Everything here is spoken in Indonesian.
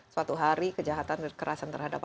suatu hari kejahatan kerasan terhadap